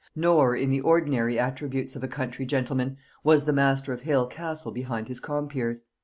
Nor, in the ordinary attributes of a country gentleman, was the master of Hale Castle behind his compeers.